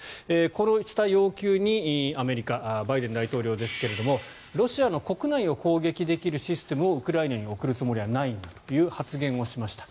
この要求にアメリカバイデン大統領ですがロシアの国内を攻撃できるシステムをウクライナに送るつもりはないんだという発言をしました。